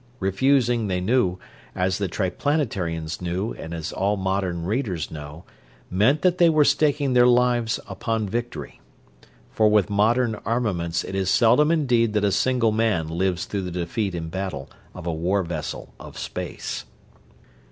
Refusing, they knew, as the Triplanetarians knew and as all modern readers know, meant that they were staking their lives upon victory. For with modern armaments it is seldom indeed that a single man lives through the defeat in battle of a war vessel of space.